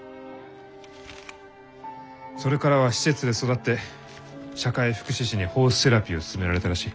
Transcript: それからは施設で育って社会福祉士にホースセラピーを勧められたらしい。